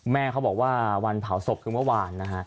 แม่เขาบอกว่าวันเผาศพคือเมื่อวานนะฮะ